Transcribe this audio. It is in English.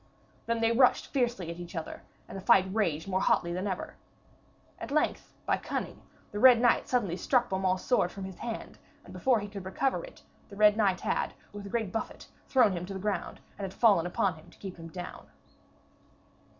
Then they rushed fiercely at each other, and the fight raged more hotly than ever. At length, by cunning, the Red Knight suddenly struck Beaumains' sword from his hand, and before he could recover it, the Red Knight had with a great buffet thrown him to the ground, and had fallen upon him to keep him down.